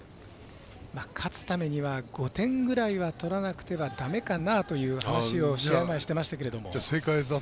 勝つためには５点ぐらいは取らなくてはだめかなという話を試合前、していましたけど。